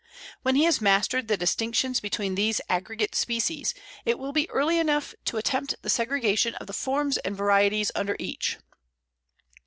When he has mastered the distinctions between these aggregate species, it will be early enough to attempt the segregation of the forms and varieties under each.